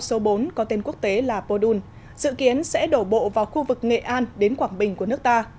cơn bão số bốn có tên quốc tế là podun dự kiến sẽ đổ bộ vào khu vực nghệ an đến quảng bình của nước ta